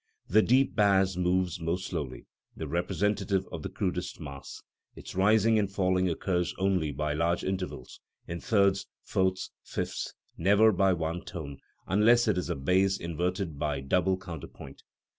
The deep bass moves most slowly, the representative of the crudest mass. Its rising and falling occurs only by large intervals, in thirds, fourths, fifths, never by one tone, unless it is a base inverted by double counterpoint.